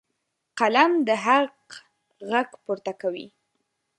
قلم د حق غږ پورته کوي.